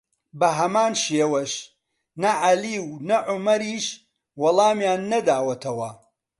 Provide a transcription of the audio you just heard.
بەهەمان شێوەش نە عەلی و نە عومەریش وەڵامیان نەداوەتەوە